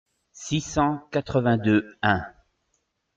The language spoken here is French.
six cent quatre-vingt-deux-un.